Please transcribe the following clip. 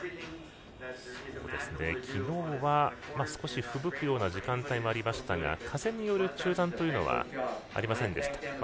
昨日は少しふぶくような時間帯もありましたが風による中断というのはありませんでした。